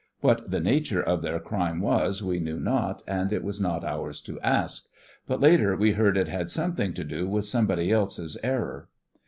What the nature of their crime was we knew not, and it was not ours to ask; but later we heard it had something to do with somebody else's error.